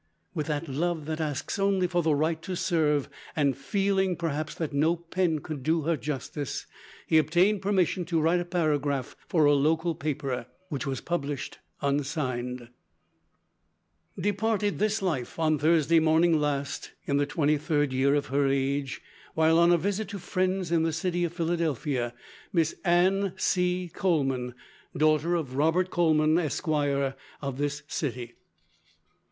With that love that asks only for the right to serve, and feeling perhaps that no pen could do her justice, he obtained permission to write a paragraph for a local paper, which was published unsigned: "Departed this life, on Thursday morning last, in the twenty third year of her age, while on a visit to friends in the city of Philadelphia, Miss Anne C. Coleman, daughter of Robert Coleman, Esquire of this city.